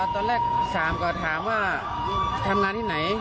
ตอนแรก๓ก็ถามว่าทำงานที่ไหน